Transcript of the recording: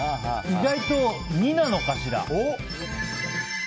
意外と２なのかしら。